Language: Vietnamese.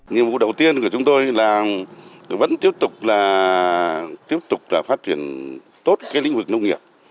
nhiệm vụ đầu tiên của chúng tôi là vẫn tiếp tục là tiếp tục phát triển tốt cái lĩnh vực nông nghiệp